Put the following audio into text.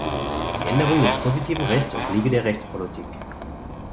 Die Änderung des positiven Rechts obliege der Rechtspolitik.